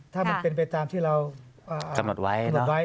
ถ้ามันเป็นเวตตามที่เรากระหมดไว้